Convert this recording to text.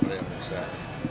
terlaksan dengan baik